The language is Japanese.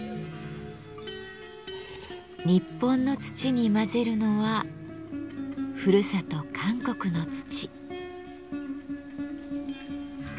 日本の土に混ぜるのはふるさと韓国の土。